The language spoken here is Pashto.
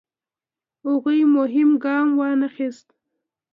هغوی مهم ګام وانخیست.